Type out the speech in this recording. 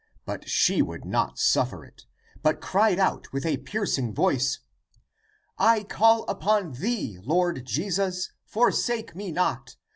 But she would not suffer it, but cried out with a piercing voice, " I call upon thee, Lord Jesus, for sake me not!